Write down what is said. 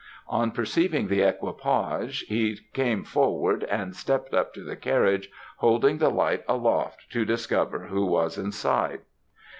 On perceiving the equipage, he came forward and stept up to the carriage, holding the light aloft to discover who was inside.